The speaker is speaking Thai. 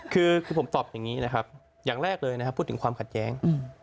คือผมตอบอย่างนี้นะครับอย่างแรกเลยนะครับพูดถึงความขัดแย้ง